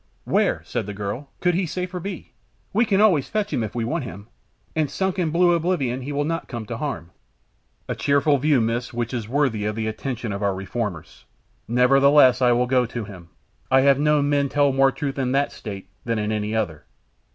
"Where," said the girl, "could he safer be? We can always fetch him if we want him, and sunk in blue oblivion he will not come to harm." "A cheerful view, Miss, which is worthy of the attention of our reformers. Nevertheless, I will go to him. I have known men tell more truth in that state than in any other."